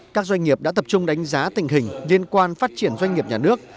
các doanh nghiệp đã tập trung đánh giá tình hình liên quan phát triển doanh nghiệp nhà nước